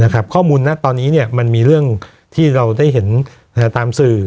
ข้อมูลตอนนี้มันมีเรื่องที่เราได้เห็นตามสื่อ